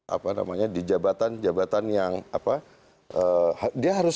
apa namanya di jabatan jabatan yang apa